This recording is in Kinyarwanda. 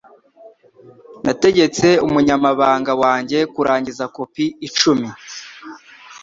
Nategetse umunyamabanga wanjye kurangiza kopi icumi